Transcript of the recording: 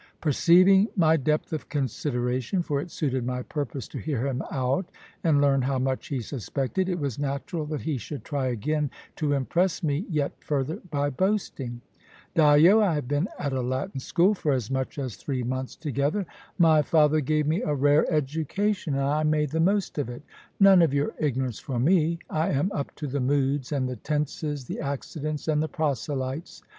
Perceiving my depth of consideration for it suited my purpose to hear him out, and learn how much he suspected it was natural that he should try again to impress me yet further by boasting. "Dyo, I have been at a Latin school for as much as three months together. My father gave me a rare education, and I made the most of it. None of your ignorance for me! I am up to the moods and the tenses, the accidents and the proselytes.